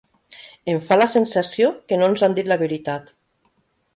Em fa la sensació que no ens han dit la veritat.